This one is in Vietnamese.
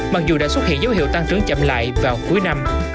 mặc dù đã xuất hiện dấu hiệu tăng trưởng chậm lại vào cuối năm